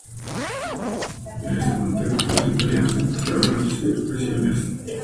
En ese contexto, los italianos empezaron a recibir presiones.